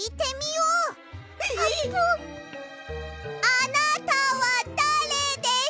あなたはだれですか？